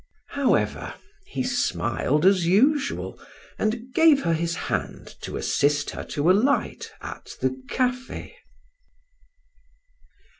However he smiled as usual and gave her his hand to assist her to alight at the cafe.